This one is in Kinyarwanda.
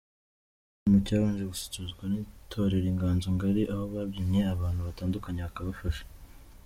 Ni igitaramo cyabanje gususurutswa n’itorero Inganzo Ngari aho babyinnye abantu batandukanye bakabafasha.